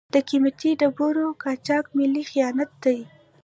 د قیمتي ډبرو قاچاق ملي خیانت دی.